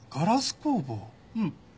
うん。